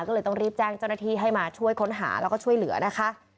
ก็เลยต้องรีบแจ้งเจ้าหน้าที่ให้มาช่วยค้นหาแล้วก็ช่วยเหลือนะคะ